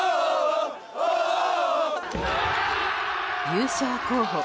優勝候補